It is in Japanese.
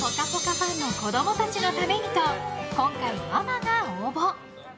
ファンの子供たちのためにと今回、ママが応募。